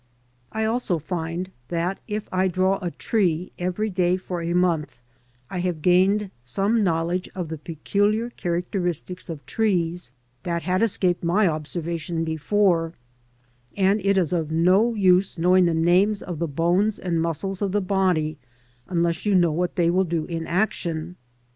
I also find that if I draw a tree every day for a month, I have gained some knowledge of the peculiar characteristics of trees that had escaped my observation before, and it is of no use know ing the names of the bones and muscles of the body unless you know what they will do in action.